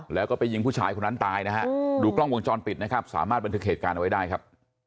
แล้วก็ไปยิงผู้ชายคนนั้นตายนะฮะดูกล้องวงจรปิดนะครับสามารถบันทึกเหตุการณ์เอาไว้ได้ครับ